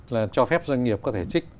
là cho phép doanh nghiệp có thể trích